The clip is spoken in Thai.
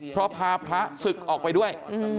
เพราะพาพระศึกออกไปด้วย